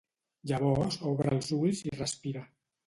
Llavors obre els ulls i respira.